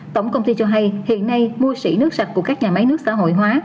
tổng công ty cho hay hiện nay mua xỉ nước sạch của các nhà máy nước xã hội hóa